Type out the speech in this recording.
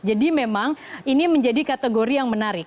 jadi memang ini menjadi kategori yang menarik